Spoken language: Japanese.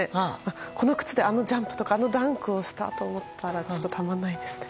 この靴であのジャンプとかあのダンクをしたと思ったらちょっとたまらないですね。